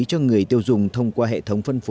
cho người tiêu dùng thông qua hệ thống phân phối